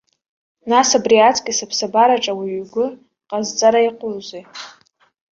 Нас абри аҵкыс аԥсабараҿ ауаҩ игәы ҟазҵара иҟоузеи.